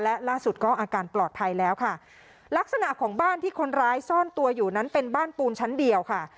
และล่าสุดก็อาการปลอดภัยแล้วค่ะลักษณะของบ้านที่คนร้ายซ่อนตัวอยู่นั้นเป็นบ้านปูนชั้นเดียวค่ะ